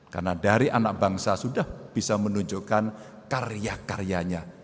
karena dari anak bangsa sudah bisa menunjukkan karya karyanya